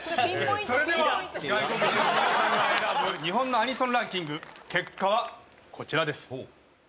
それでは、外国人の皆さんが選ぶ日本のアニソンランキング結果は、こちらです。